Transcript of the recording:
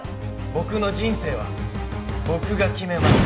僕の人生は僕が決めます。